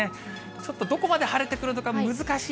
ちょっと、どこまで晴れてくるのか難しい。